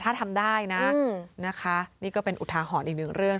ถ้าทำได้นะนะคะนี่ก็เป็นอุทาหรณ์อีกหนึ่งเรื่อง